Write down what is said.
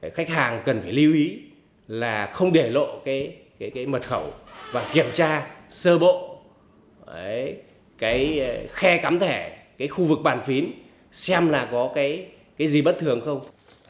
khách hàng cần phải lưu ý là không để lộ mật khẩu và kiểm tra sơ bộ khe cắm thẻ khu vực bàn phím xem là có gì bất thường không